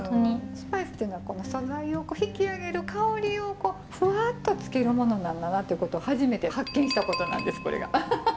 スパイスっていうのはこの素材を引き上げる香りをふわっとつけるものなんだなということを初めて発見したことなんですこれが。